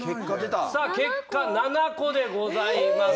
結果、７個でございます。